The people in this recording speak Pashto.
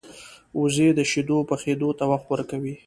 وزې د شیدو پخېدو ته وخت ورکوي